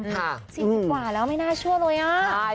จริงกว่าแล้วไม่น่าชั่วเลยอะ